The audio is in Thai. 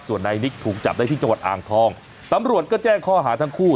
ส่วนนายนิกถูกจับได้ที่จังหวัดอ่างทองตำรวจก็แจ้งข้อหาทั้งคู่